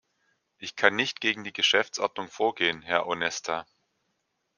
Ich kann nicht gegen die Geschäftsordnung vorgehen, Herr Onesta.